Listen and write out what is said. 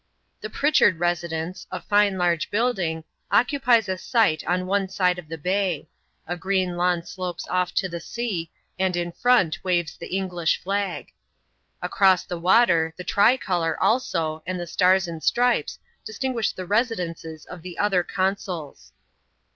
The Pritchard residence — a fine large building — occupies a ite on one side of the bay : a green lawn slopes off to the sea ; md in front waves the English flag. Across the water, the tri oolour, also, and the stars and stripes, distinguish the residences cf the other consuls.